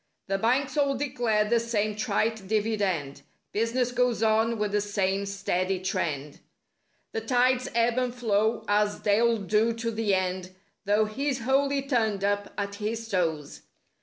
The banks all declare the same trite dividend; Business goes on with the same steady trend; The tides ebb and flow as they'll do to the end— Though he's wholly turned up at his toes.